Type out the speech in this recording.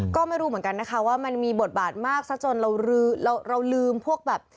ก็ไม่รู้เหมือนกันนะคะว่ามันมีบทบาทมากซะจนเราลืมพวกแบบ